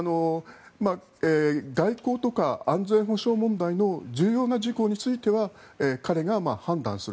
外交とか安全保障問題の重要な事項については彼が判断する。